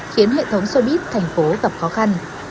khiến hệ thống showbiz thành phố gặp khó khăn